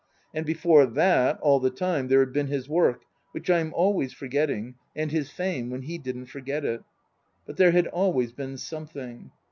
And before that, all the time, there had been his work, which I am always forgetting, and his fame, when he didn't forget it. But there had always been something.